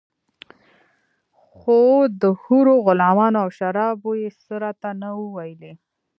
خو د حورو غلمانو او شرابو يې څه راته نه وو ويلي.